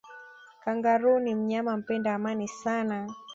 kangaroo ni mnyama mpenda amani sana